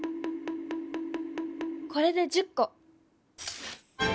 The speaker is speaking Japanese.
これで１０こ。